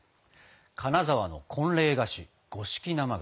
金沢の婚礼菓子五色生菓子。